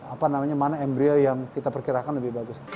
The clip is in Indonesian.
apa namanya mana embryo yang kita perkirakan lebih bagus